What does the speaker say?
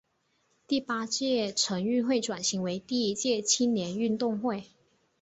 第八届城运会转型为第一届青年运动会。